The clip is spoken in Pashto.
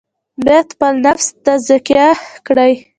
باید خپل نفس تزکیه کړي.